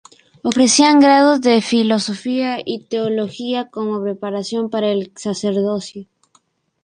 Ofrecían grados de filosofía y teología como preparación para el sacerdocio.